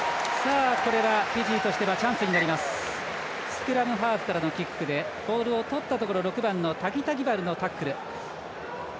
スクラムハーフからのキックでボールをとったところ６番、タギタギバルのタックル。